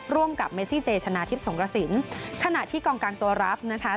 ร่วมกับเมซี่เจชนะทิพย์สงกระสินขณะที่กองการตัวรับนะคะ